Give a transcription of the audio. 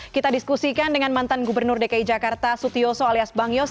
kita diskusikan dengan mantan gubernur dki jakarta sutioso alias bang yos